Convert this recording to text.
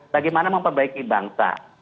bagaimana memperbaiki bangsa